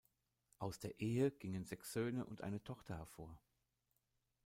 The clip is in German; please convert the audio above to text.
Aus der Ehe gingen sechs Söhne und eine Tochter hervor.